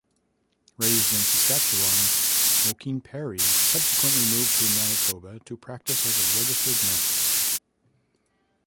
Raised in Saskatchewan, Moquin-Perry subsequently moved to Manitoba to practice as a registered nurse.